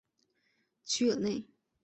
屈尔内。